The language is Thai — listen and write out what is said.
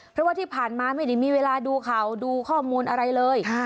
เพราะว่าที่ผ่านมาไม่ได้มีเวลาดูข่าวดูข้อมูลอะไรเลย